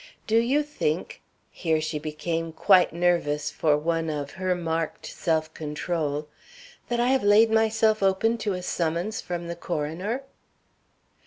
Do you think" here she became quite nervous for one of her marked self control "that I have laid myself open to a summons from the coroner?"